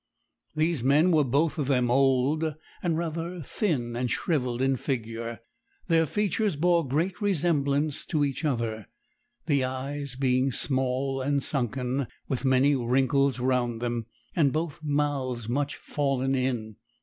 These men were both of them old, and rather thin and shrivelled in figure; their features bore great resemblance to each other, the eyes being small and sunken, with many wrinkles round them, and both mouths much fallen in.